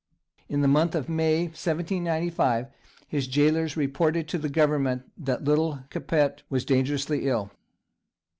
In the month of May, 1795, his jailers reported to the Government that "little Capet was dangerously ill."